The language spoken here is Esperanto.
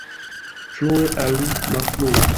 Frue aŭ malfrue!